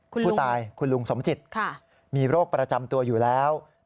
ผู้ตายคุณลุงสมจิตมีโรคประจำตัวอยู่แล้ว